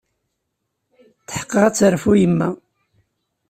Tḥeqqeɣ ad terfu yemma.